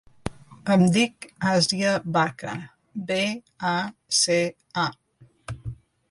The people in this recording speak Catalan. Em dic Àsia Baca: be, a, ce, a.